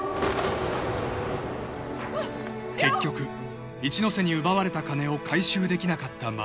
［結局一ノ瀬に奪われた金を回収できなかった衛］